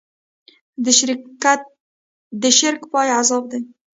د شرک پای عذاب دی.